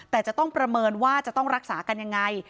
แต่จะต้องประเมินว่าจะต้องรักษากันยังไง